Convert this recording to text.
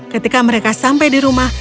ketika mereka sampai di rumah